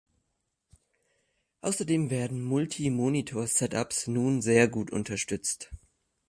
Außerdem werden Multi-Monitor-Setups nun sehr gut unterstützt.